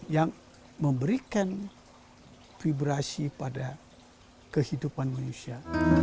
yang memberikan vibrasi pada kehidupan manusia